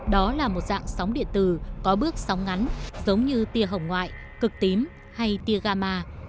đó là một dạng sóng điện tử có bước sóng ngắn giống như tia hồng ngoại cực tím hay tiagama